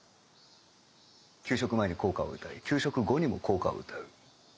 給食前に校歌を歌い給食後にも校歌を歌う。